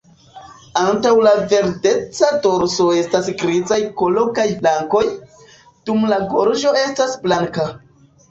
Antaŭ la verdeca dorso estas grizaj kolo kaj flankoj, dum la gorĝo estas blanka.